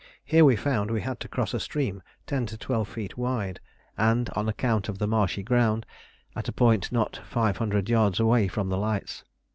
Here we found we had to cross a stream ten to twelve feet wide, and, on account of the marshy ground, at a point not 500 yards away from the lights.